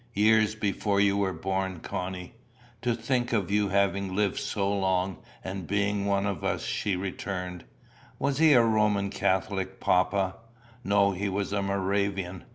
"Years before you were born, Connie." "To think of you having lived so long, and being one of us!" she returned. "Was he a Roman Catholic, papa?" "No, he was a Moravian.